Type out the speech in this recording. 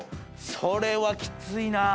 それはきついな。